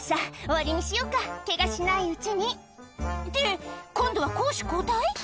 終わりにしようかケガしないうちにって今度は攻守交代？